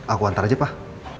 aku hantar saja pak